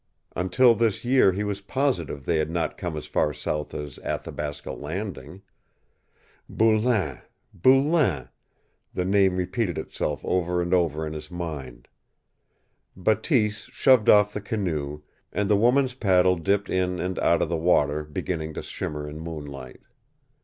Until this year he was positive they had not come as far south as Athabasca Landing. Boulain Boulain The name repeated itself over and over in his mind. Bateese shoved off the canoe, and the woman's paddle dipped in and out of the water beginning to shimmer in moonlight.